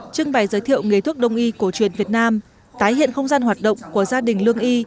trưng bày giới thiệu nghề thuốc đông y cổ truyền việt nam tái hiện không gian hoạt động của gia đình lương y